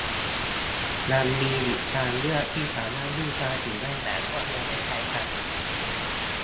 ยังมีอีกทางเลือกที่สามารถยื่นภาษีได้แบบรวดเร็วไม่แพ้กัน